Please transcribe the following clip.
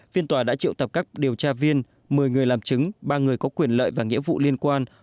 phiên tòa đã triệu tập các điều tra viên một mươi người làm chứng ba người có quyền lợi và nghĩa vụ liên quan